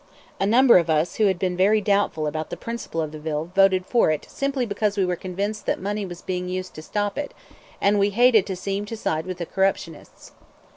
A number of us who had been very doubtful about the principle of the bill voted for it simply because we were convinced that money was being used to stop it, and we hated to seem to side with the corruptionists.